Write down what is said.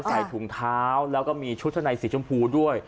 ใส่ถุงเท้าแล้วก็มีชุดชะในสีชมพูด้วย